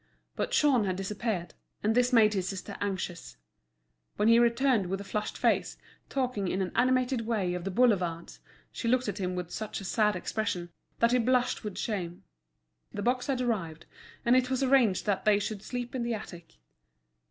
But Jean had disappeared, and this made his sister anxious. When he returned with a flushed face, talking in an animated way of the boulevards, she looked at him with such a sad expression that he blushed with shame. The box had arrived, and it was arranged that they should sleep in the attic.